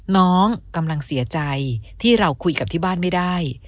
น้องกำลังเสียใจที่เราคุยกับที่บ้านไม่ได้